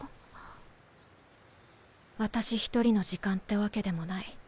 私一人の時間ってわけでもない。